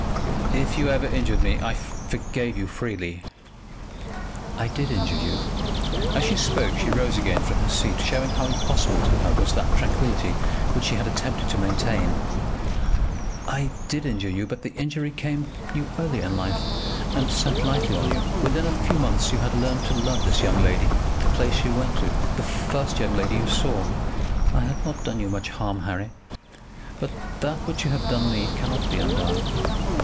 "If you ever injured me, I forgave you freely." "I did injure you " As she spoke she rose again from her seat, showing how impossible to her was that tranquillity which she had attempted to maintain. "I did injure you, but the injury came to you early in life, and sat lightly on you. Within a few months you had learned to love this young lady at the place you went to, the first young lady you saw! I had not done you much harm, Harry. But that which you have done me cannot be undone."